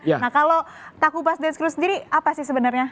nah kalau takupas dance crew sendiri apa sih sebenarnya